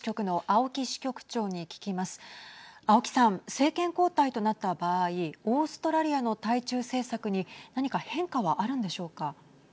青木さん、政権交代となった場合オーストラリアの対中政策に何か変化はあるんでしょうか。